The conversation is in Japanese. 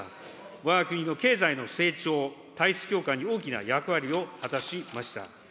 わが国の経済の成長、体質強化に大きな役割を果たしました。